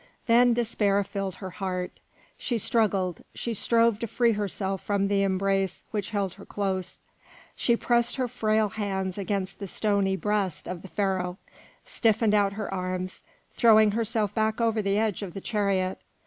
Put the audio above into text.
Then despair filled her heart; she struggled, she strove to free herself from the embrace which held her close; she pressed her frail hands against the stony breast of the Pharaoh, stiffened out her arms, throwing herself back over the edge of the chariot.